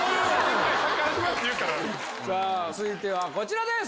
続いてはこちらです。